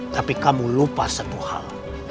tapi kamu lupa satu hal